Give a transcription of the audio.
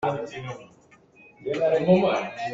Sizung in na chuak tik ah a ho nih dah an zohkhenh lai?